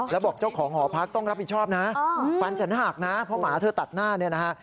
แล้วบอกเจ้าของหอพักต้องรับผิดชอบนะฟันฉันหักนะเพราะหมาเธอตัดหน้าเนี่ยนะฮะ